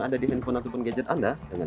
ada di handphone ataupun gadget anda